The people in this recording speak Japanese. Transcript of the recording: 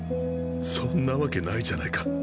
そんなわけないじゃないか。